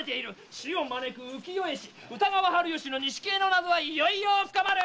死を招く浮世絵師・歌川春芳の錦絵の謎はいよいよ深まる！